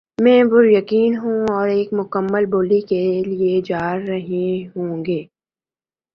میں پُریقین ہوں وہ ایک مکمل بولی کے لیے جا رہے ہوں گے